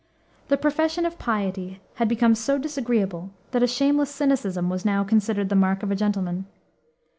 The profession of piety had become so disagreeable that a shameless cynicism was now considered the mark of a gentleman.